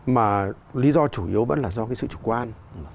mà lý do chủ yếu vẫn là do cái sự chủ quan